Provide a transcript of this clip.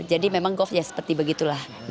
jadi memang goff ya seperti begitulah